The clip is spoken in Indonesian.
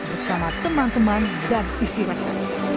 bersama teman teman dan istri saya